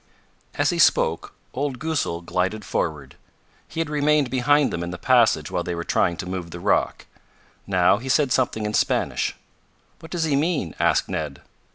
As he spoke old Goosal glided forward. He had remained behind them in the passage while they were trying to move the rock. Now he said something in Spanish. "What does he mean?" asked Ned.